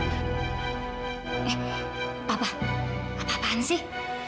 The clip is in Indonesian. eh apa apaan sih